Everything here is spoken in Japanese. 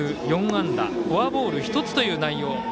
４安打フォアボール１つという内容。